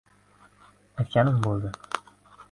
Aytganim bo‘ldi.